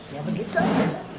ya begitu aja